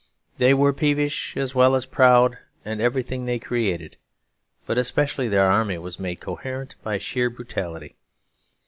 They were peevish as well as proud, and everything they created, but especially their army, was made coherent by sheer brutality.